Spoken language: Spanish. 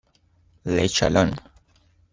Le Chalon